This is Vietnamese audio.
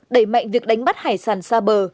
đẩy mạnh việc đánh bắt hải sản xa bờ